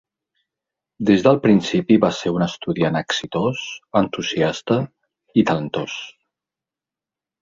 Des del principi va ser un estudiant exitós, entusiasta i talentós.